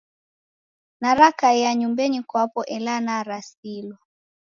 Narakaia nyumbenyi kwapo ela narasilwa.